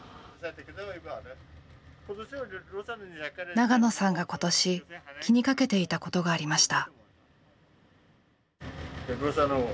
長野さんが今年気にかけていたことがありました。